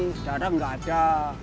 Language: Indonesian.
sekarang gak ada